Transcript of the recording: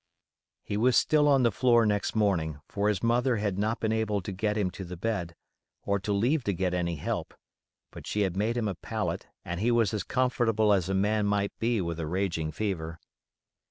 He was still on the floor next morning, for his mother had not been able to get him to the bed, or to leave to get any help; but she had made him a pallet, and he was as comfortable as a man might be with a raging fever.